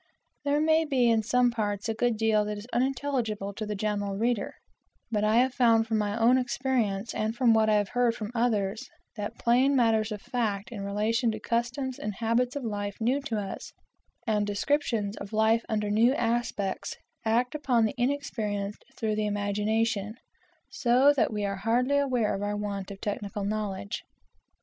There may be in some parts a good deal that is unintelligible to the general reader; but I have found from my own experience, and from what I have heard from others, that plain matters of fact in relation to customs and habits of life new to us, and descriptions of life under new aspects, act upon the inexperienced through the imagination, so that we are hardly aware of our want of technical knowledge.